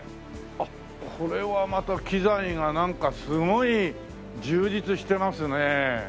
あっこれはまた機材がなんかすごい充実してますね。